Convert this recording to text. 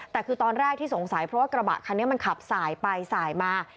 แต่คือตอนแรกที่สงสัยเพราะว่ากระบะคันนี้มันขับสายไปสายมา